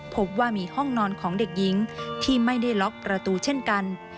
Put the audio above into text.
พบว่ามีห้องนอนของเด็กหญิงที่ไม่ได้ล็อกประตูเช่นกัน